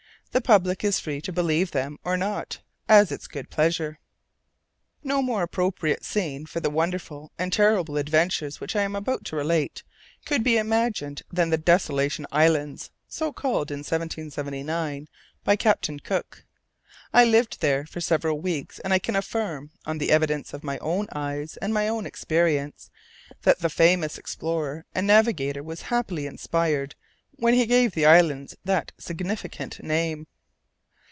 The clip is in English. The public is free to believe them or not, at its good pleasure. No more appropriate scene for the wonderful and terrible adventures which I am about to relate could be imagined than the Desolation Islands, so called, in 1779, by Captain Cook. I lived there for several weeks, and I can affirm, on the evidence of my own eyes and my own experience, that the famous English explorer and navigator was happily inspired when he gave the islands that significant name.